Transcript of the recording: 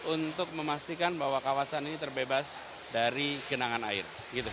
untuk memastikan bahwa kawasan ini terbebas dari kenangan air